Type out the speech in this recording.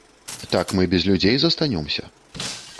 Так мы без людзей застанёмся.